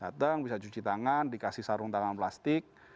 datang bisa cuci tangan dikasih sarung tangan plastik